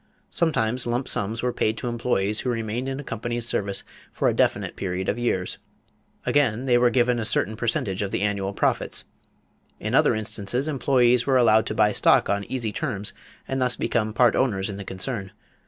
Sometimes lump sums were paid to employees who remained in a company's service for a definite period of years. Again they were given a certain percentage of the annual profits. In other instances, employees were allowed to buy stock on easy terms and thus become part owners in the concern.